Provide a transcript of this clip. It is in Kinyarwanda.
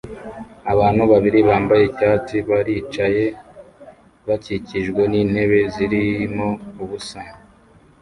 Abantu babiri bambaye icyatsi baricaye bakikijwe n'intebe zirimo ubusa